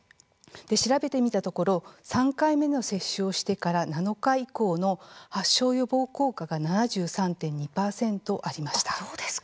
調べてみたところ３回目の接種をしてから７日以降の発症予防効果が７３．２％ありました。